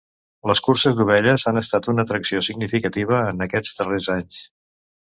Les curses d'ovelles han estat una atracció significativa en aquests darrers anys.